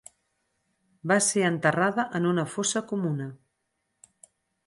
Va ser enterrada en una fossa comuna.